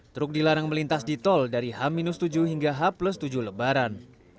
truk dilarang melintas di tol dari h tujuh hingga h tujuh lebaran